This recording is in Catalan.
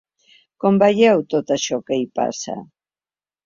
Com veieu tot això que hi passa?